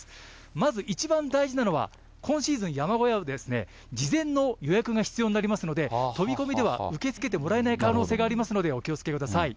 まず一番大事なのは、今シーズン、山小屋を事前の予約が必要になりますので、飛び込みでは受け付けてもらえない可能性がありますので、お気をつけください。